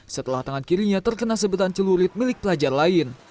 setelah tangan kirinya terkena sebetan celurit milik pelajar lain